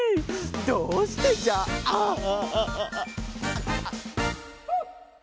どうしてじゃああああ。